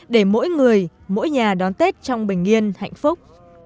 để mỗi người mỗi nhà đón tết trong bình yên hạnh phúc